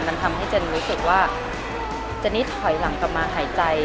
มันทำให้เจนรู้สึกว่าเจนนี่ถอยหลังกลับมาหายใจ